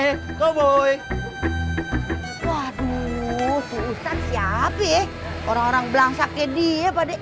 hai komboi waduh ustadz siapih orang orang bilang sakit dia pada